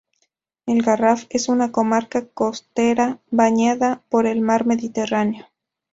El Garraf es una comarca costera bañada por el mar Mediterráneo.